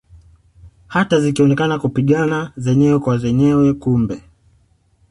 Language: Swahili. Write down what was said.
Hata zikionekana kupingana zenyewe kwa zenyewe kumbe